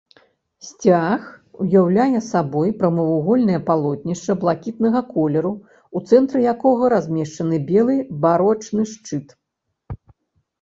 Сцяг уяўляе сабой прамавугольнае палотнішча блакітнага колеру, у цэнтры якога размешчаны белы барочны шчыт.